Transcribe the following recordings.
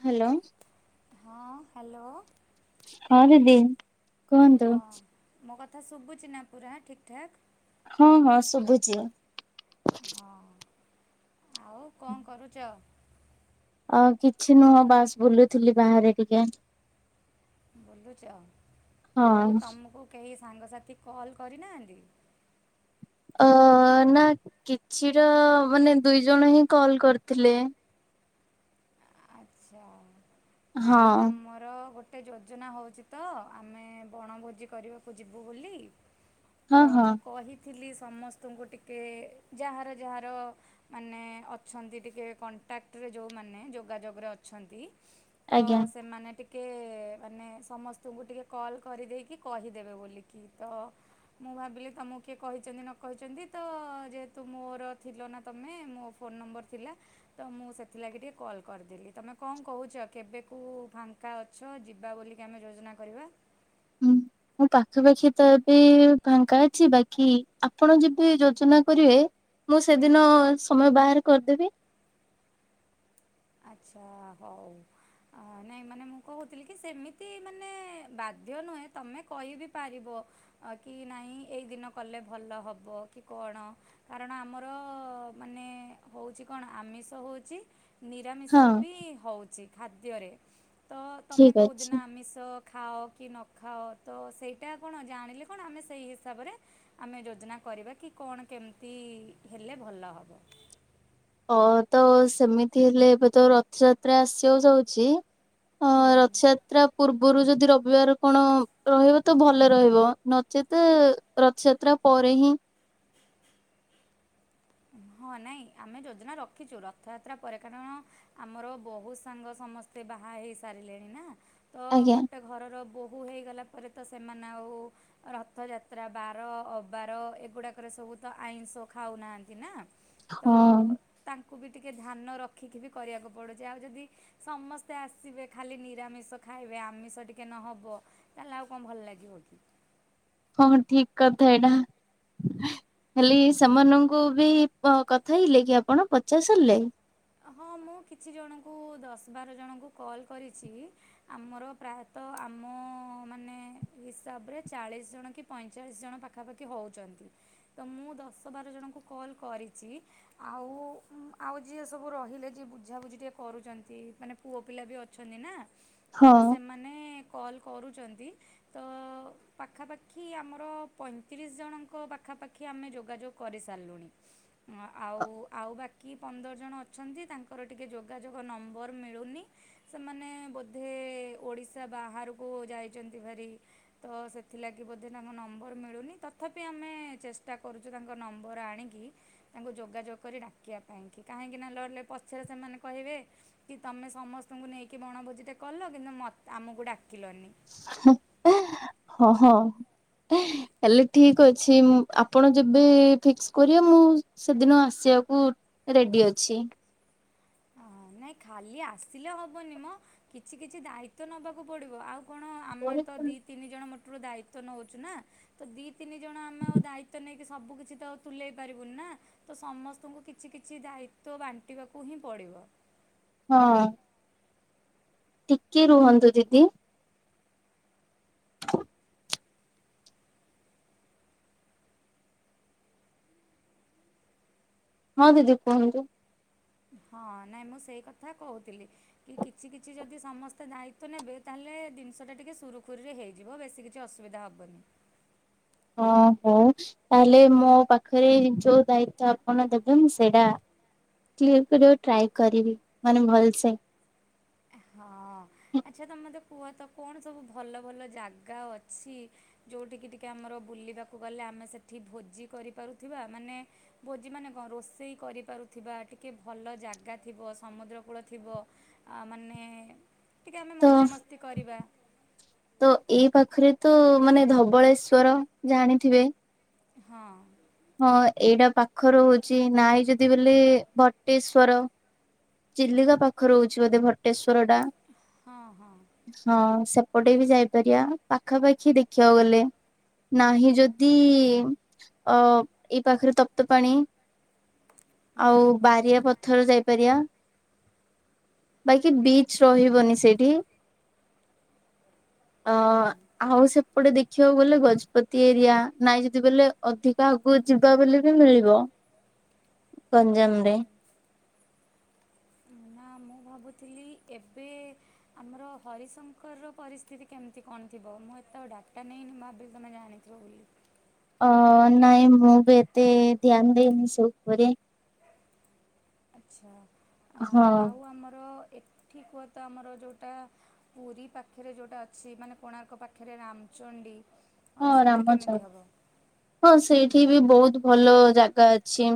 Hello. ହଁ hello. ହଁ ଦିଦି। କୁହନ୍ତୁ ହଁ ମୋ କଥା ଶୁଭୁଚି ନା ପୁରା ଠିକ୍ ଠାକ୍? ହଁ ହଁ ଶୁଭୁଛି। ହଁ ଆଉ କଣ କରୁଛ? ଅ କିଛି ନୁହଁ ବାସ୍ ବୁଲୁଥିଲି ବାହାରେ ଟିକେ। ବୁଲୁଛ ଆଉ ହଁ। ତୁମକୁ କେହି ସାଙ୍ଗସାଥି କଲ୍ କରିନାହାଁନ୍ତି? ଅ ନା କିଛିର ମାନେ ଦୁଇ ଜଣ ହିଁ କଲ କରିଥିଲେ। ଆଛା ହଁ ନାଇଁ ଆମର ଆମର ଗୋଟେ ଯୋଜନା ହଉଛି ତ ଆମେ ବଣଭୋଜି କରିବାକୁ ଯିବୁ ବୋଲି। ତ ହଁ ହଁ ମୁଁ କହିଥିଲି ସମସ୍ତଙ୍କୁ ଟିକେ ଯାହାର ଯାହାର ମାନେ ଅଛନ୍ତି ଟିକେ କଣ୍ଟାକ୍ଟରେ ଯୋଉମାନେ ଯୋଗାଯୋଗ ରେ ଅ ଅଛନ୍ତି ତ ଆଜ୍ଞା ସେମାନେ ଟି ଟିକ ମାନେ ସମସ୍ତଙ୍କୁ ଟିକେ କଲ୍ କରିଦେଇକି କହିଦେବେ ବୋଲିକି ତ ମୁଁ ଭାବିଲି ତମକୁ କିଏ କହିଛନ୍ତି ନ କହିଛନ୍ତି ତ ଯେହେତୁ ମୋର ଥିଲ ନା ତମେ ମୋ ଫୋନ ନମ୍ବର ଥିଲା ତ ମୁଁ ସେଥିଲାଗି ଟିକେ କଲ କରିଦେଲି ତମେ କଣ କହୁଛ କେବେକୁ ଫାଙ୍କା ଅଛ ଯିବା ବୋଲିକି ଆମେ ଯୋଜନା କରିବା? ହୁଁ। ମୁଁ ପାଖାପାଖି ତ ଏବେ ଫାଙ୍ଗା ଅଛି ବାକି ଆପଣ ଯେବେ ଯୋଜନା କରିବେ। ମୁଁ ସେଦିନ ସମୟ ବାହାର କରିଦେବି। ଆଚ୍ଛା ହଉ। ହ ନାଇଁ ମାନେ ମୁଁ କହୁଥିଲି କି ସେମିତି ମାନେ ବାଧ୍ୟ ନୁହେଁ ତମେ କହିିବି ପାରିବ। କି ନାଇଁ ଏଇ ଦିନ କଲେ ଭଲ ହବ କି କଣ। କାରଣ ଆମର ମାନେ ହଉଛି କଣ ଆମିଷ ହଉଛି। ହଁ ନିରାମିଷ ବି ହଉଛି ଖାଦ୍ୟରେ ତ ତମେ ଠିକ କଉଦିନ ଅଛି। ଆମିଷ ଖାଅ କି ନ ଖାଅ ତ ସେଇଟା କଣ ଜାଣିଲି କଣ ଆମେ ସେଇ ହିସାବରେ ଆମେ ଯୋଜନା କରିବା କି କଣ କେମିତି ହେଲେ ଭଲ ହବ। ଓ ତ ସେମିତି ହେଲେ ଏବେ ତ ରଥଯାତ୍ରା ଆସିବାକୁ ଯାଉଛି। ଅ ହୁଁ। ରଥଯାତ୍ରା। ପୂର୍ବରୁ ଯଦି ରବିବାର କଣ ରହିବ ତ ଭଲ ରହିବ ନଚେତ ରଥଯାତ୍ରା ପରେ ହିଁ ହଁ ନାଇଁ ଆମେ ଯୋଜନା ରଖିଛୁ ରଥଯାତ୍ରା ପରେ କାରଣ ଆମର ବହୁତ ସାଙ୍ଗ ସମସ୍ତେ ବାହା ହେଇ ସାରିଲେଣି ନା ତ ଆଜ୍ଞା ଗୋଟେ ଘରର ବୋହୂ ହେଇଗଲା ପରେ ତ ସେମାନେ ଆଉ ରଥଯାତ୍ରା ବାର ଅବାର ଏଗୁଡ଼ାକରେ ସବୁ ତ ଆଇଁଷ ଖାଉନାହାନ୍ତି ନା। ତ ହଁ ତାଙ୍କୁ ବି ଟିକେ ଧ୍ୟାନ ରଖିକି ବି କରିବାକୁ ପଡ଼ୁଛି ଆଉ ଯଦି ସମସ୍ତେ ଆସିବେ ଖାଲି ନିରାମିଷ ଖାଇବେ ଆମିଷ ଟିକେ ନହବ ତାହେଲେ ଆଉ କଣ ଭଲ ଲାଗିବ କି? ହଁ ହଁ ଠିକ କଥା ଏଇଟା। ହେଲି ସେମାନଙ୍କୁ ବି କଥା ହେଇଲେ କି ଆପଣ ପଚା ସାରିଲେ? ହଁ ମୁଁ କିଛି ଜଣଙ୍କୁ ଦଶ ବାର ଜଣଙ୍କୁ କଲ୍ କରିଛି। ଆମର ପ୍ରାୟତଃ ଆମ ମାନେ ହିସାବରେ ଚାଳିଶ ଜଣ କି ପଇଁଚାଳିଶ ଜଣ ପାଖାପାଖି ହଉଛନ୍ତି। ତ ମୁଁ ଦଶ ବାର ଜଣଙ୍କୁ କଲ୍ କରିଛି ଆଉ ଆଉ ଜି ଯିଏ ସବୁ ରହିଲେ ଯିଏ ବୁଝାବୁଝି ଟିକଏ କରୁଛନ୍ତି ମାନେ ପୁଅ ପିଲା ବି ଅଛନ୍ତି ନା। ତ ହଁ ସେମାନେ କଲ୍ କରୁଛନ୍ତି ତ ପାଖାପାଖି ଆମର ପଇଁତିରିଶ ଜଣଙ୍କ ପାଖାପାଖି ଆମେ ଯୋଗାଯୋଗ କରିସାରିଲୁଣି। ହ ଆଉ ଆଉ ବାକି ପନ୍ଦର ଜଣ ଅଛନ୍ତି ତାଙ୍କର ଟିକେ ଯୋଗାଯୋଗ ନମ୍ବର ମିଳୁନି। ସେମାନେ ବୋଧେ ଓଡ଼ିଶା ବାହାରକୁ ଯାଇଛନ୍ତି ଭାରି। ତ ସେଥିଲାଗି ବୋଧେ ତାଙ୍କ ନମ୍ବର ମିଳୁନି ତଥାପି ଆମେ ଚେଷ୍ଟା କରୁ। ଯେ ତାଙ୍କ ନମ୍ବର ଆଣିକି ତାଙ୍କୁ ଯୋଗାଯୋଗ କରି ଡାକିବା ପାଇଁକି। କାହିଁକିନା ଲଡ଼ିଲେ ପଛରେ ସେମାନେ କହିବେ କି ତମେ ସମସ୍ତଙ୍କୁ ନେଇକି ବଣ ଭୋଜିଟେ କଲ। କିନ୍ତୁ ମତେ ଆମକୁ ଡାକିଲନି। ହଁ ହଁ। ହେଲେ ଠିକ ଅଛି। ଆପଣ ଯେବେ ଫିକ୍ସ କରିବେ। ମୁଁ ସେଦିନ ଆସିବାକୁ ରେଡି ଅଛି। ହଁ ନାଇଁ ଖାଲି ଆସିଲେ ହେବନି ମ। କିଛି କିଛି ଦାୟିତ୍ୱ ନେବାକୁ ପଡିବ। ଆଉ କଣ ଆମେ ତ ଦିଇ ତିନି ଜଣ ମୋଟରୁ ଦାୟିତ୍ୱ ନେଉଛୁ ନା। ତ ଦି ତିନି ଜଣ ଆମେ ଆଉଁ ଦାୟିତ୍ୱ ନେଇକି ସବୁ କିଛି ତ ତୁଲେଇ ପାରିବୁନି ନା। ତ ସମସ୍ତଙ୍କୁ କିଛି କିଛି ଦାୟିତ୍ୱ ବାଣ୍ଟିବାକୁ ହିଁ ପଡିବ। ହଁ। ଟିକେ ରୁହନ୍ତୁ ଦିଦି। ହଁ ଦିଦି କୁହନ୍ତୁ। ହଁ ନାଇଁ ମୁଁ ସେଇ କଥା କହୁଥିଲି। କି କିଛି କିଛି ଯଦି ସମସ୍ତେ ଦାୟିତ୍ଵ ନେବେ। ତାହେଲେ ଜିନିଷ ଟା ଟିକେ ସୁରୁଖୁରୁରେ ହେଇଯିବ। ବେଶୀ କିଛି କିଛି ଅସୁବିଧା ହବନି। ଓ ହଉ। ତାହେଲେ ମୋ ପାଖରେ ଯୋଉ ଦାୟିତ୍ଵ ଆପଣ ଦେବେ। ମୁଁ ସେଇଟା କ୍ଳିଅର କରିବାକୁ ଟ୍ରାଏ କରିବି। ମାନେ ଭଲସେ। ହଁ ଆଚ୍ଛା ତମେ ମତେ କୁହ ତ କଣ ସବୁ ଭଲ ଭଲ ଜାଗା ଅଛି। ଯଉଠିକି ଟିକେ ଆମର ବୁଲିବାକୁ ଗଲେ ଆମେ ସେଠି ଭୋଜି କରିପାରୁଥିବା। ମାନେ ଭୋଜି ମାନେ କଣ ରୋଷେଇ କରିପାରୁଥିବା। ଟିକିଏ ଭଲ ଜାଗା ଥିବ। ସମୁଦ୍ର କୂଳ ଥିବ। ଆ ମାନେ ଟିକେ ଆମେ ତ ମଜାମସ୍ତି କରିବା। ତ ଏଇ ପାଖରେ ତ ମାନେ ଧବଳେଶ୍ଵର ଜାଣିଥିବେ। ହଁ। ହଁ ଏଇଟା ପାଖରୁ ହଉଛି। ନାଇଁ ଯଦି ବୋଇଲେ ଭଟେଶ୍ଵର। ଚିଲିକା ପାଖ ରହୁଛି ବୋଧେ ଭଟେଶ୍ଵର ଟା। ହଁ ହଁ। ହଁ ସେପଟେ ବି ଯାଇପାରିବା। ପାଖାପାଖି ଦେଖିବାକୁ ଗଲେ। ନାହିଁ ଯଦି ଅ ଏଇ ପାଖରେ ତପ୍ତ ପାଣି। ହୁଁ ଆଉ ବାରିଆ ପ ଥର ଯାଇପାରିବା। ବାକି ବିଚ ରହିବନି ସେଇଠି। ଅ ହୁଁ ଆଉ ସେପଟେ ଦେଖିବାକୁ ଗଲେ ଗଜପତି ଏରିଆ। ନାଇଁ ଯଦି ବୋଲେ ଅଧିକ ଆଗକୁ ଯିବା ବୋଲି ବି ମିଳିବ ଗଞ୍ଜାମ ରେ। ନା ମୁଁ ଭାବୁଥିଲି ଏବେ ଆମର ହରିଶଙ୍କର ପରିସ୍ଥିତି କେମିତି କଣ ଥିବ। ମୁଁ ଏତେ ଆଉ ଡାଟା ନେଇନି। ଭାବିଲି ତମେ ଜାଣି ରହୁଲି। ଅ ନାଇଁ ମୁଁ ବି ଏତେ ଧ୍ୟାନ ଦେଇନି ସଉପରେ। ଆଚ୍ଛା ଆ ହଁ। ଆଉ ଆମର ଏଠି କୁହତ ଆମର ଯଉଟା ପୁରୀ ପାଖରେ ଯଉଟା ଅଛି। ମାନେ କୋଣାର୍କ ପାଖରେ ରାମଚଣ୍ଡୀ। ଅ, ହଁ ସେଠି ରାମଚ। କେମିତି ହବ ହଁ ସେଇଠି ବି ବହୁତ ଭଲ ଜାଗା ଅଛି।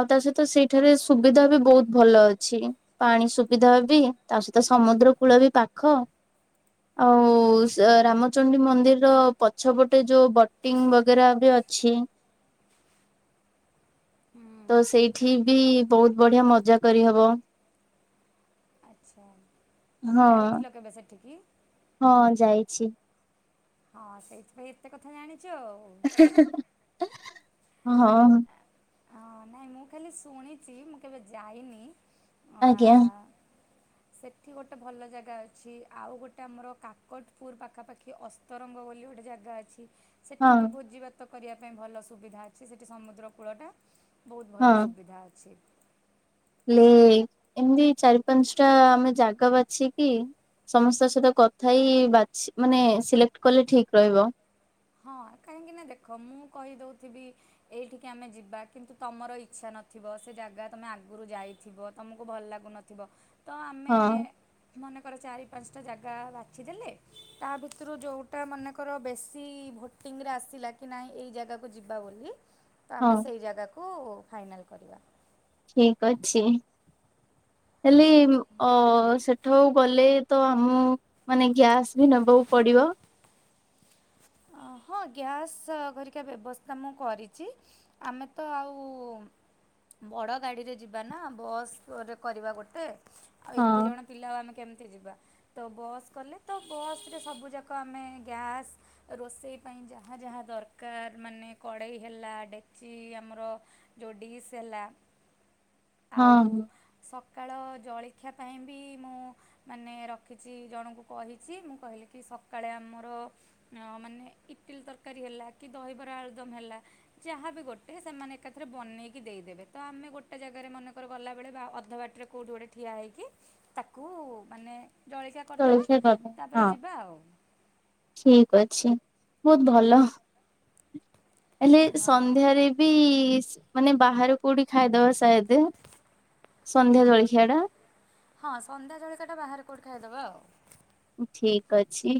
ଆଉ ତା ସହିତ ସେଇ ଏଠାରେ ସୁବିଧା ବି ବହୁତ ଭଲ ଅଛି। ପାଣି ସୁବିଧା ବି ତା ସହିତ ସମୁଦ୍ର କୂଳ ବି ପାଖ। ହୁଁ। ଆଉ ରାମଚଣ୍ଡୀ ମନ୍ଦିରର ପ ପଛପଟେ ଯୋଉ ବଟିଂ ବଗେରା ବି ଅଛି। ହୁଁ ତ ସେଇଠି ବି ବହୁତ ବଢିଆ ମଜା କରିହବ। ଆଚ୍ଛା ତମେ ହଁ ଯାଇଥିଲ କେବେ ସେଠିକି। ହଁ ଯାଇଛି। ହଁ ସେଇଥିପାଇଁ ଏତେ କଥା ଜାଣିଛ ଆଉ। ହେ ହେ ହେ ହେ ହଁ। ହଁ ନାଇଁ ମୁଁ ଖାଲି ଶୁଣିଛି ମୁଁ କେବେ ଯାଇନି। ଆଜ୍ଞା ଆଁ ସେଠି ଗୋଟେ ଭଲ ଜାଗା ଅଛି ଆଉ ଗୋଟେ ଆମର କାକଟପୁର ପାଖାପାଖି ଅ ତରଙ୍ଗ ବୋଲି ଗୋଟେ ଜାଗା ଅଛି। ହଁ ସେଠି ବି ଭୋଜି ଭାତ କରିବା ପାଇଁ ଭଲ ସୁବିଧା ଅଛି ସେଇଠି ସମୁଦ୍ର କୂଳଟା। ବହୁତ ହଁ ଭଲ ସୁବିଧା ଅଛି। ଲେ ଏମିତି ଚାରି ପାଞ୍ଚ ଟା ଆମେ ଜାଗା ବାଛି କି ସମସ୍ତଙ୍କ ସହିତ କଥା ଇ ବାଛି ମାନେ ସିଲେକ୍ଟ କଲେ ଠିକ ରହିବ। ହଁ କାହିଁକି ନା ଦେଖ ମୁଁ କହିଦଉଥିବି ଏଇଠିକି ଆମେ ଯିବା କିନ୍ତୁ ତମର ଇଚ୍ଛା ନଥିବ ସେ ଜାଗା ତମେ ଆଗରୁ ଯାଇଥିବ। ତମକୁ ଭଲ ଲାଗୁନଥିବ ତ ଆମ୍ ହଁ। ମନେକର ଚାରି ପାଞ୍ଚଟା ଜାଗା ବାଛିଦେଲେ ତା ଭିତରୁ ଯୋଉଟା ମନେକର ବେଶ ସି ଭୋଟିଂରେ ଆସିଲା କି ନାଇଁ ଏଇ ଜାଗାକୁ ଯିବା ବୋଲି ତ ହଁ ଆମେ ସେହି ଜାଗାକୁ କୁ ଫାଇନାଲ୍ କରିବା। ଠିକ ଅଛି ହେଲେ ଅ ସେ ପାଠ ଗଲେ ତ ଆମକୁ ମାନେ ଗ୍ୟାସ୍ ବି ନେବାକୁ ପଡିବ। ହଁ ଗ୍ୟାସ୍ ଘରିକା ବ୍ୟବସ୍ଥା ମୁଁ କରିଛି। ଆମେ ତ ଆଉ ବଡ ଗାଡିରେ ଯିବା ନା ବସ୍ ରେ କରିବା ଗୋଟେ ଆଉ ହଁ ଏତେ ଜଣ ପିଲାମାନେ କେମିତି ଯିବା ତ ବସ୍ କଲେ ତ ବସରେ ସବୁଯାକ ଆମେ ଗ୍ୟାସ୍ ରୋଷେଇ ପାଇଁ ଯାହା ଯାହା ଦରକାର ମାନେ କଡ଼େଇ ହେଲା ଡେକ୍ଚି ଆମର ଯୋ ଡିସ୍ ହେଲା ହଁ ଆଉ ହଁ ସକାଳ ଜଳଖିଆ ପାଇଁ ବି ମୁଁ ମାନେ ରଖିଛି ଜଣଙ୍କୁ କହିଛି ମୁଁ କହିଲି କି ସକାଳେ ଆମର ମାନେ ଇଟିଲ ତରକାରୀ ହେଲା କି ଦହିବରା ଆଳୁଦମ୍ ହେଲା। ଯାହାବି ଗୋଟେ ସେମାନେ ଏକାଥରେ ବନେଇକି ଦେଇଦେବେ ତ ଆମେ ଗୋଟେ ଜାଗାରେ ମନେକର ଗଲାବେଳେ ବା ଅଧ ବାଟରେ କୋଉଠି ଗୋଟେ ଠିଆ ହୋଇକି ତାକୁ ମାନେ ଜଳିଖିଆ କରିଦେବା ଜଳଖିଆ କରିଦେବା ତାପରେ ହଁ ଯିବା ଆଉ। ଠିକ ଅଛି ବହୁତ ଭଲ। ହେଲେ ହଁ ସନ୍ଧ୍ୟାରେ ବି ମାନେ ବାହାରେ କୋଉଠି ଖାଇଦବା ସାଏଦ। ସନ୍ଧ୍ୟା ଜଳଖିଆ ଟା। ହଁ ସନ୍ଧ୍ୟା ଜଳକା ଟା ବାହାରାରେ କଉଠି ଖାଇଦବା ଆଉ। ଠିକ ଅଛି।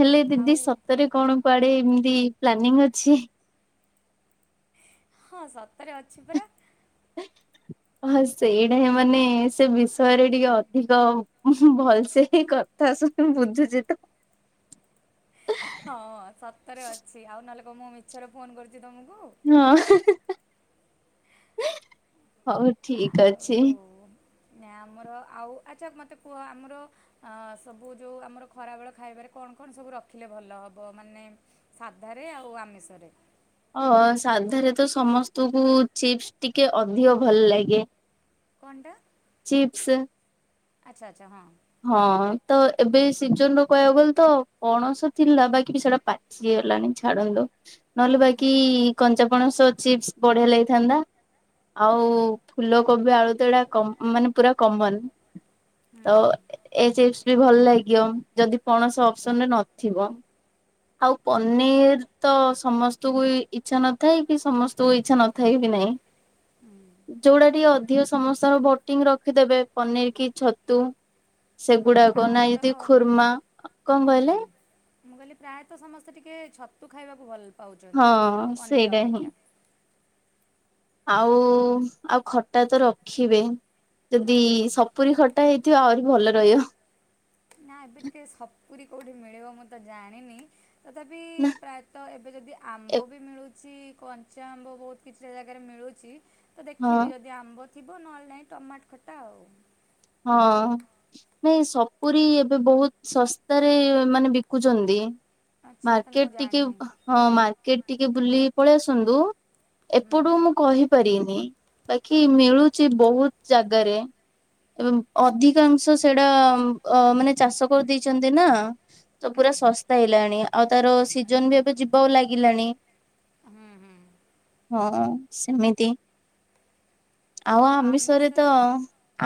ହେଲେ ଦିଦି ଆଉ ସତରେ କଣ କୁଆଡେ ଏମିତି ପ୍ଲାନିଂ ଅଛି? ହଁ ସତରେ ଅଛି ପରା। ହ ସେଇଟା ହିଁ ମାନେ ସେ ବିଷୟରେ ଟିକେ ଅଧିକ ଭଲସେ ହିଁ କ ତା ସୁ ବୁଝୁଛି ତ। ହଁ ସତରେ ଅଛି ଆଉ ନହେଲେ କହ ମୁଁ ମିଛରେ ଫୋନ କରୁଛି ତମକୁ। ହଁ ହଉ ଠିକ ଆଉ ଅଛି। ନା ଆମର ଆଉ ଆଚ୍ଛା ମୋତେ କୁହ ଆମର ସବୁ ଯୋଉ ଆମର ଖରାବେଳ ଖାଇବାରେ କଣ କଣ ସବୁ ରଖିଲେ ଭଲ ହେବ ମାନେ ସାଧାରେ ଆଉ ଆମିଷରେ? ଓ ସାଧାରେ ତ ସମସ୍ତଙ୍କୁ ଚିପ୍ସ ଟିକେ ଅଧିକ ଭଲ ଲାଗେ। କଣ୍ଟା। ଚିପ୍ସ। ଆଚ୍ଛା ଆଚ୍ଛା ହଁ। ହଁ ତ ଏବେ ସିଜନ ର କହିବାକୁ ଗଲେ ତ ପଣସ ଥିଲା ବାକି ସେଟା ପା ଚି ଗଲାଣି ଛାଡ଼ନ୍ତୁ। ନହେଲେ ବାଇକି କଞ୍ଚାପଣସ ଚିପ୍ସ୍ ବଢ଼ିଆ ଲାଗିଥାନ୍ତା ଆଉ ଫୁଲକୋବି ଆଳୁତଳା କମ୍ ମାନେ ପୁରା କମନ୍ ହୁଁ ଓ ରୋଷେଇ ଭଲ ଲାଗିବ ଯଦି ପଣସ ଅପସନରେ ନଥିବ। ଆଉ ପନିର ତ ସମସ୍ତଙ୍କୁ ବି ଇଚ୍ଛା ନଥାଏ କି ସମସ୍ତକୁ ଇଚ୍ଛା ନ ଥାଇ ବି ନାହିଁ। ଯୋଉଟା ଟିକେ ଅଧିକ ସମସ୍ତଙ୍କର ଭୋଟିଂ ରଖିଦେବେ ପନିର କି ଛତୁ। ସେଗୁଡାକ ନାଇଁ ପ୍ରାୟେତ ଯଦି ହୁଁ। ଖୁର୍ମା କଣ କହିଲେ? ମୁଁ କହିଲି ପ୍ରାୟେତ ସମସ୍ତେ ଟିକେ ଛତୁ ଖାଇବାକୁ ଭଲ ପାଉଚନ୍ତି ହଁ ପନିର ସେଇଟା ହିଁ ଅପେକ୍ଷା। ଆଉ ଆଉ ଖଟା ତ ରଖିବେ ଯଦି ହୁଁ ସପୁରୀ ଖ ଖଟା ହେଇଥିବ ଆହୁରି ଭଲ ରହିବ। ନା ଏବେ ଟିକେ ସପୁରି କୋଉଠି ମିଳିବ ମୁଁ ତ ଜାଣିନି। ତଥାପି ନା ପ୍ରାୟେତ ଏବେ ଯଦି ହଁ ଆମ୍ବ ବି ମିଳୁ ଛି କଞ୍ଚା ଆମ୍ବ ବୋହୁତ କିଛିଟା ଜାଗାରେ ମିଳୁଚି ତ ଦେଖି ଯଦ ଆମ୍ବ ଥିବ ନହେଲେ ନାହିଁ ଟମାଟ ଖଟା ଆଉ। ହଁ। ନାଇଁ ସପୁରୀ ଏବେ ବୋହୁତ ଶସ୍ତାରେ ମାନେ ବିକୁଛନ୍ତି। ଆଚ୍ଛା ତାହେଲେ ମୁଁ ମାର୍କେଟ୍ ଟିକେ ଜାଣିନି ଅଃ ହଁ ମାର୍କେଟ୍ ଟିକେ ବୁଲିକି ପଳେଇ ଆସନ୍ତୁ ହୁଁ ଏପଟୁ ମୁଁ କହିପାରିନି। ବାକି ମିଳୁଚି ବୋହୁତ ଜାଗାରେ। ଏବଂ ଅଧିକାଂଶ ସେଇଡା ଅ ମାନେ ଚାଷ କରିଦେଇଚନ୍ତି ନା। ତ ପୁରା ଶସ୍ତା ହେଲାଣି ଆଉ ତାର ସିଜନ ଆଚ୍ଛା ବି ଏବେ ଯିବାକୁ ଲାଗିଲାଣି। ହୁଁ ହୁଁ। ହଁ ସେମିତି ଆଉ ଆମିଷରେ ତ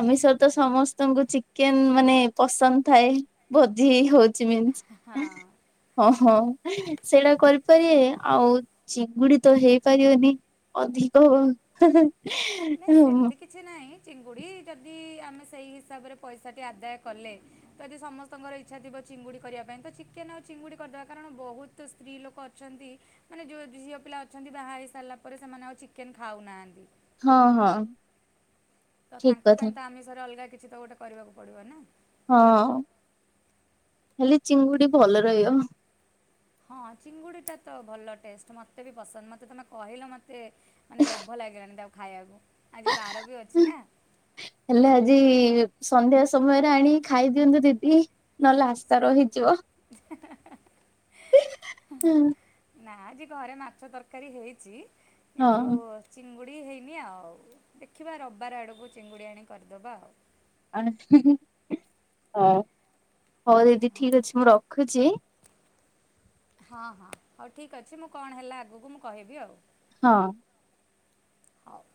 ଆମିଷରେ ତ ସମସ୍ତଙ୍କୁ ଚିକେନ ମାନେ ପସନ୍ଦ ଥାଏ ଭୋଜି ହୋଉ ଚି ମନସ୍ ହଁ ହଁ ହଁ ସେଇଟା କରିପାରିବେ ଆଉ ଚିଙ୍ଗୁଡି ତ ହେଇପାରିବନି। ଅଧିକ ହେଁ ହେଁ। ନାଇଁ ସେମତି କିଛି ନାହିଁ ଚିଙ୍ଗୁଡ଼ି ଯଦି ଆମେ ସେଇ ହିସାବରେ ପଇସାଟି ଆଦାୟ କଲେ ଯଦି ସମସ୍ତଙ୍କର ଇଚ୍ଛା ଥିବ ଚିଙ୍ଗୁଡ଼ି କରିବାପାଇଁ ତ ଚିକେନ ଆଉ ଚିଙ୍ଗୁଡ଼ି କରିଦେବା କାରଣ ବୋହୁ ତ ସ୍ତ୍ରୀଲୋକ ଅଛନ୍ତି ମାନେ ଯୋଉ ଝିଅପିଲା ଅଛନ୍ତି ବାହା ହେଇସାଇଲା ପରେ ସେମାନେ ଆଉ ଚିକେନ ଖାଉନାହାନ୍ତି। ହଁ ହଁ। ତ ତାଙ୍କ ପାଇଁ ତ ଆମିଷରେ ଅଲଗା କିଛି ତ ଗୋଟେ କରିବାକୁ ପଡ଼ିବ ନା। ହଁ ହେଲି ଚିଙ୍ଗୁଡି ଭଲ ରହିବ। ହଁ ଚିଙ୍ଗୁଡ଼ିଟା ତ ଭଲ ଟେଷ୍ଟ ମୋତେ ବି ପସନ୍ଦ ମତେ ତୁମେ କହିଲ ମତେ ମାନେ ଲୋଭ ଲାଗିଲାଣି ତାକୁ ଖାଇବାକୁ ଆଜି ବାର ବି ଅଛିନା। ତାହେଲେ ଆଜି ସନ୍ଧ୍ୟା ସମୟରେ ଆଣି ଖାଇଦିଅନ୍ତୁ ଦିଦି। ନହେଲେ ଆଶା ରହିଯିବ। ହେଁ ହେଁ ହେଁ ହେଁ। ନା ଆଜି ଘରେ ମାଛ ତରକାରୀ ହେଇଚି କିନ୍ତୁ ହଁ। ଚିଙ୍ଗୁଡ଼ି ହେଇନି ଆଉ ଦେଖିବା ରବିବାରେ ଆଡ଼କୁ ଚିଙ୍ଗୁଡ଼ି ଆଣି କରିଦବା ଆଉ। ଆଣି ହି ହି ହ ହୋଉ ଦିଦି ଠିକ ଅଛି ମୁଁ ରଖୁଚି। ହଁ ହଁ ହୋଉ ଠିକଅଛି ମୁଁ କଣ ହେଲା ଆଗକୁ ମୁଁ କହିବି ଆଉ। ହଁ। ହଉ